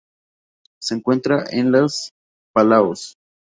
Se encuentran en las Palaos.